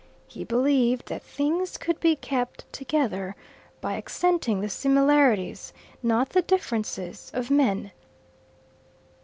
He believed that things could be kept together by accenting the similarities, not the differences of men.